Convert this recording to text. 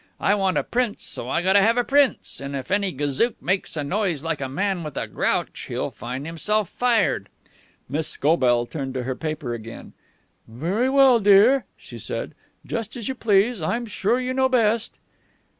I want a prince, so I gotta have a prince, and if any gazook makes a noise like a man with a grouch, he'll find himself fired." Miss Scobell turned to her paper again. "Very well, dear," she said. "Just as you please. I'm sure you know best."